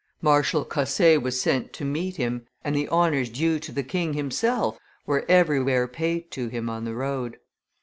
Marshal Cosse was sent to meet him, and the honors due to the king himself were everywhere paid to him on the road.